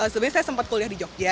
sebenarnya saya sempat kuliah di jogja